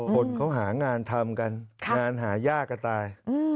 คนเขาหางานทำกันงานหายากก็ตาย